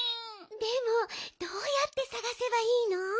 でもどうやってさがせばいいの？